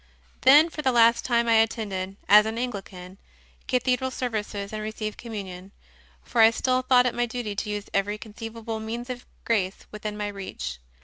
Then for the last time I attended, as an Anglican, cathedral services and received Communion; for I still thought it my duty to use every conceivable means of grace within my reach.